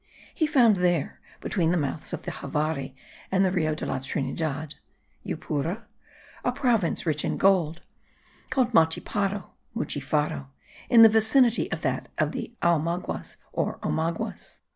He found there, between the mouths of the Javari and the Rio de la Trinidad (Yupura?) a province rich in gold, called Machiparo (Muchifaro), in the vicinity of that of the Aomaguas, or Omaguas.